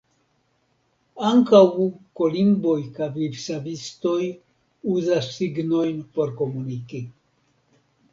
Ankaŭ kolimboj kaj vivsavistoj uzas signojn por komuniki.